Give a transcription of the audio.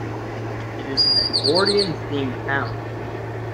It is an Edwardian themed town.